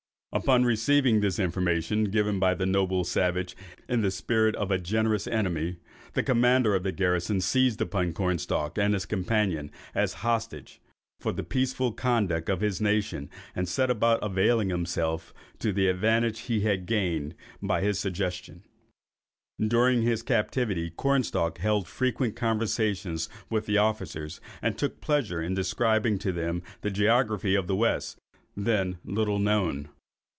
Upon receiving this information, given by the noble savage in the spirit of a generous enemy, the commander of the garrison seized upon Cornstalk and his companion as hostages for the peaceful conduct of his nation, and set about availing himself of the advantage he had gained by his suggestions. During his captivity, Cornstalk held frequent conversations with the officers, and took pleasure in describing to them the geography of the west, then little known.